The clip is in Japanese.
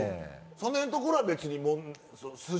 そのへんのところは別に。